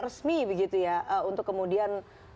resmi begitu ya untuk kemudian